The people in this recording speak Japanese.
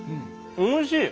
おいしい！